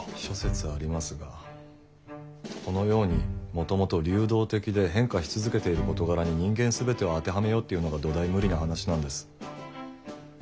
諸説ありますがこのようにもともと流動的で変化し続けている事柄に人間全てを当てはめようっていうのが土台無理な話なんです。